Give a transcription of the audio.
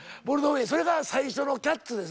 それが最初の「キャッツ」です。